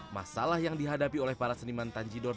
masalah yang dihadapi oleh para seniman tanjidor